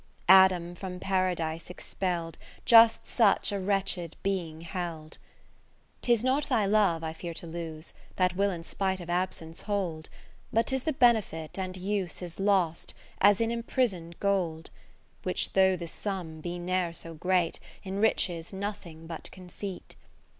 Adam from Paradise expell'd Just such a wretched being held. II 'Tis not thy love I fear to lose, That will in spite of absence hold ; But 'tis the benefit and use Is lost, as in imprison'd gold : ro Which though the sum be ne'er so great, Enriches nothing but conceit.